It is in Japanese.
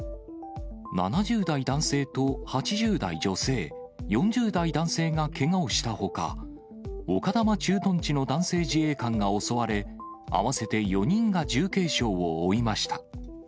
７０代男性と８０代女性、４０代男性がけがをしたほか、丘珠駐屯地の男性自衛官が襲われ、合わせて４人が重軽傷を負いました。